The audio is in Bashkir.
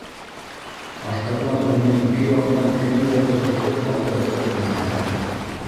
Артабан уны ике яҡтан кемдәрҙер тотоп алға өҫтөрәне: